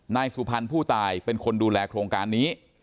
นายสุพรรณผู้ตายเป็นคนดูแลโครงการนี้